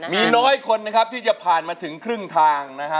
มีน้อยคนนะครับที่จะผ่านมาถึงครึ่งทางนะฮะ